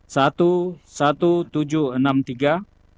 satu satu tujuh enam tiga